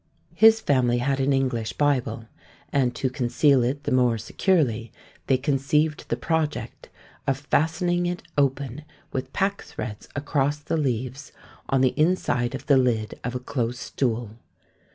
His family had an English Bible; and to conceal it the more securely, they conceived the project of fastening it open with packthreads across the leaves, on the inside of the lid of a close stool!